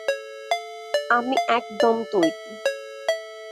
আমি একদম তৈরি।